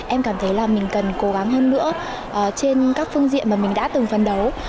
em cảm thấy là mình cần cố gắng hơn nữa trên các phương diện mà mình đã từng phấn đấu